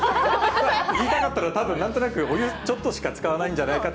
言いたかったのは、たぶん、なんとなく、お湯ちょっとしか使わないんじゃないかって。